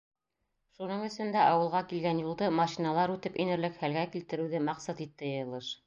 Шуның өсөн дә ауылға килгән юлды машиналар үтеп инерлек хәлгә килтереүҙе маҡсат итте йыйылыш.